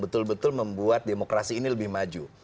betul betul membuat demokrasi ini lebih maju